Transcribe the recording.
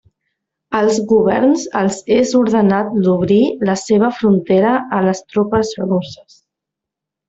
Als governs els és ordenat d'obrir la seva frontera a les tropes russes.